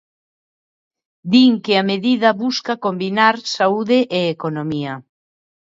Din que a medida busca combinar saúde e economía.